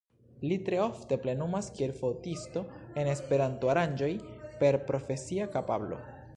Li tre ofte plenumas kiel fotisto en Esperanto aranĝoj per profesia kapablo.